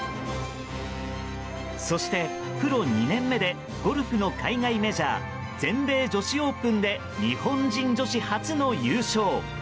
そして、プロ２年目でゴルフの海外メジャー全米女子オープンで日本人女子初の優勝。